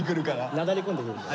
なだれ込んでくるから。